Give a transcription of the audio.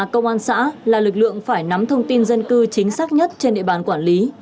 công an xã là lực lượng phải nắm thông tin dân cư chính xác nhất trên địa bàn quản lý